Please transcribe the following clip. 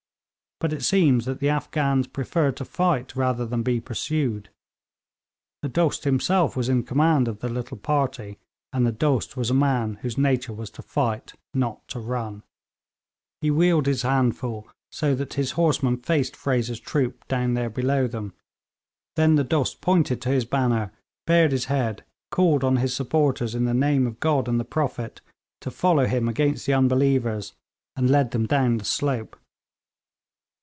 But it seemed that the Afghans preferred to fight rather than be pursued. The Dost himself was in command of the little party, and the Dost was a man whose nature was to fight, not to run. He wheeled his handful so that his horsemen faced Fraser's troop down there below them. Then the Dost pointed to his banner, bared his head, called on his supporters in the name of God and the Prophet to follow him against the unbelievers, and led them down the slope.